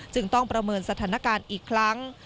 จึงต้องประเมินสถานการณ์อีกครั้ง